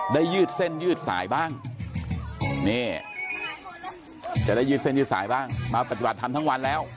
ยืดเส้นยืดสายบ้างนี่จะได้ยืดเส้นยืดสายบ้างมาปฏิบัติธรรมทั้งวันแล้ว